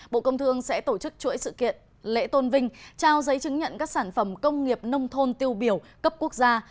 bộ công thương sẽ tổ chức chuỗi sự kiện lễ tôn vinh trao giấy chứng nhận các sản phẩm công nghiệp nông thôn tiêu biểu cấp quốc gia